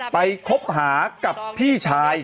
คบหากับพี่ชาย